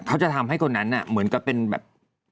เขาจะทำให้คนนั้นเหมือนกับเป็นแบบ